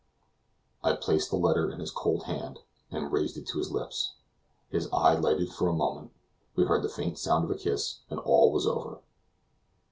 I placed the letter in his cold hand, and raised it to his lips; his eye lighted for a moment; we heard the faint sound of a kiss; and all was over!